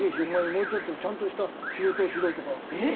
もうちょっとちゃんとした仕事をしろ」とか。